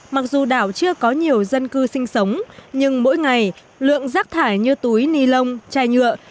mặc dù đảo chưa có nhiều dân cư sinh sống nhưng mỗi ngày lượng rác thải như túi ni lông chai nhựa